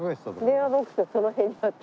電話ボックスはその辺にあった。